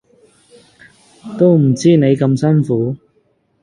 都唔知你咁辛苦